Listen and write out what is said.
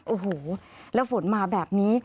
โอ้โหแล้วฝนมาแบบนี้